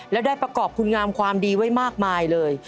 และได้ประกอบคุณงามความดีไว้มากมายเลย